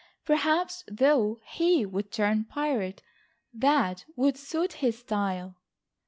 Perhaps, though, he would turn pirate. That would suit his style."